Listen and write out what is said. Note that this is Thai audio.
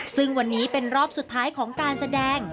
ซึ่งวันนี้เป็นรอบสุดท้ายของการแสดง